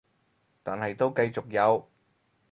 但係都繼續有